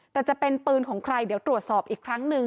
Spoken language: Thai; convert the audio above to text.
แต่จะเป็นปืนของใครเดี๋ยวตรวจสอบอีกครั้งหนึ่ง